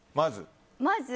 まず。